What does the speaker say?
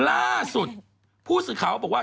ล่าสุดผู้สื่อข่าวบอกว่า